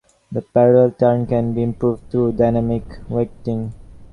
The parallel turn can be improved through dynamic "weighting".